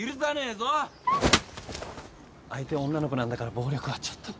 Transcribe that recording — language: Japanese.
相手は女の子なんだから暴力はちょっと。